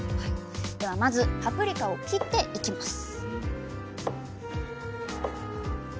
ではまずパプリカを切っていきます